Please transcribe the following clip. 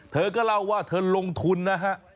เธอก็เล่าว่าเธอลงทุนนะฮะ